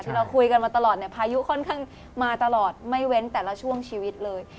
เราคุยกันมาตลอดเนี่ยพายุค่อนข้างมาตลอดไม่เว้นแต่ละช่วงชีวิตเลย